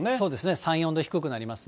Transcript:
３、４度低くなりますね。